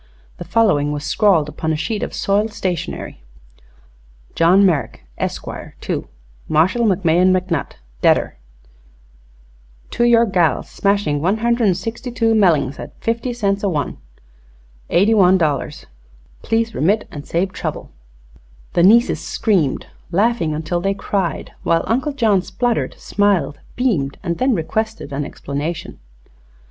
The following was scrawled upon a sheet of soiled stationery: "John Merrak, esquare, to Marshall McMahon McNutt, detter. "To yur gals Smashin' 162 mellings at 50 cents a one .....................$81.00 Pleas remitt & save trouble." The nieces screamed, laughing until they cried, while Uncle John spluttered, smiled, beamed, and then requested an explanation.